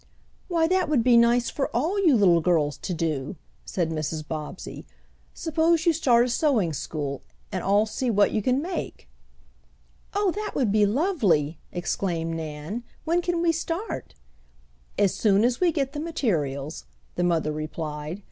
"Why, that would be nice for all you little girls to do," said Mrs. Bobbsey. "Suppose you start a sewing school, and all see what you can make!" "Oh, that would be lovely!" exclaimed Nan. "When can we start?" "As soon as we get the materials," the mother replied.